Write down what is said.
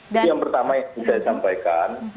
jadi yang pertama yang sudah saya sampaikan